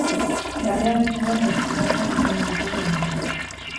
Igande arratsaldean prezipitazioak izango ditugu lagun.